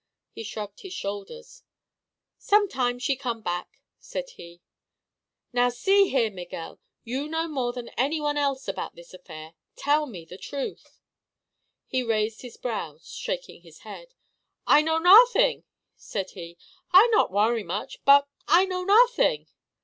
He shrugged his shoulders. "Some time she come back," said he. "Now, see here, Miguel; you know more than anyone else about this affair. Tell me the truth." He raised his brows, shaking his head. "I know nothing," said he. "I not worry much; but I know nothing."